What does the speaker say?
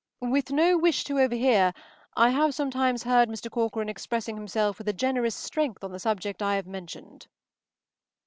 With no wish to overhear, I have sometimes heard Mr. Corcoran expressing himself with a generous strength on the subject I have mentioned.